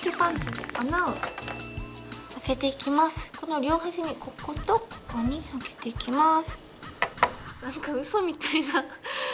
この両端にこことここに開けていきます。